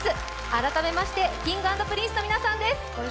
改めましてＫｉｎｇ＆Ｐｒｉｎｃｅの皆さんです。